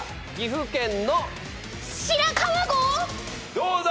どうだ？